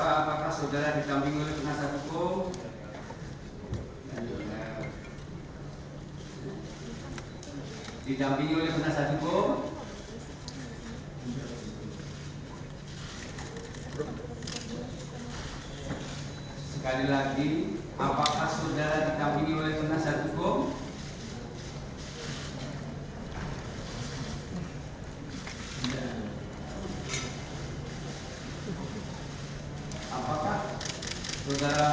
apakah saudara saudara di penasihat hukum terdapat